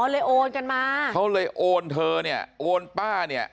โอนกันมาเขาเลยโอนเธอเนี่ยโอนป้าเนี่ย